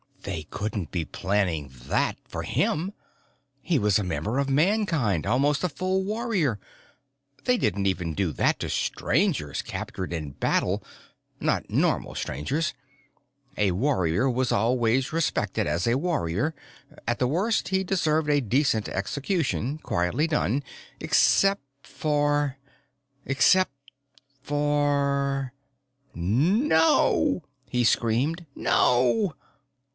They couldn't be planning that for him! He was a member of Mankind, almost a full warrior. They didn't even do that to Strangers captured in battle not normal Strangers. A warrior was always respected as a warrior. At the worst, he deserved a decent execution, quietly done. Except for Except for "No!" he screamed. "_No!